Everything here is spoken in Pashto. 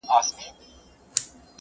پیغمبر د ټولو انسانانو لپاره رحمت و.